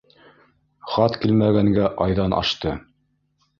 Хат килмәгәнгә айҙан ашты.